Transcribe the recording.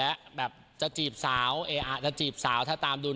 แอบมองเขาอยู่